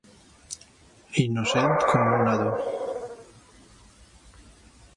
Innocent com un nadó.